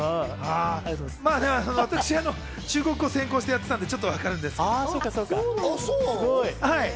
私は中国語を専攻していたのでちょっとわかるんですけど。